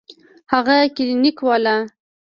هغه کلينيک والا.